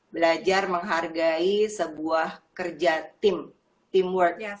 belajar menghargai sebuah kerja tim teamwork